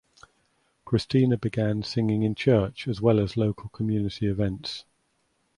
Cristina began singing in church as well as local community events.